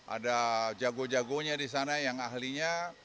ada jago jagonya di sana yang ahlinya